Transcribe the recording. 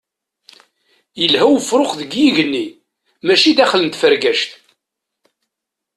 Yelha ufrux deg yigenni mačči daxel n tfergact.